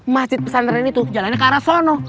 masjid pesantren itu jalannya ke arah sono